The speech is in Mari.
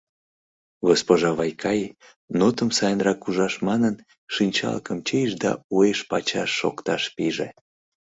Госпожа Вайкаи, нотым сайынрак ужаш манын, шинчалыкым чийыш да уэш-пачаш шокташ пиже.